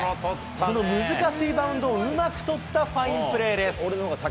この難しいバウンドをうまく捕ったファインプレーです。